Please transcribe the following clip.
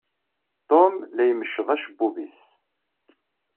Tum la imecceḍ acebbub-is.